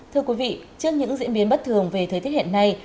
thưa quý vị trước những diễn biến bất thường về thời tiết hiện nay